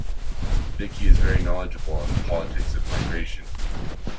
Vicky is very knowledgeable on the politics of migration.